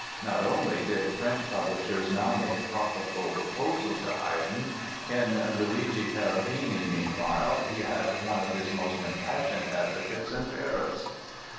Not only did French publishers now make profitable proposals to Haydn; in Luigi Cherubini, meanwhile, he had one of his most impassioned advocates in Paris.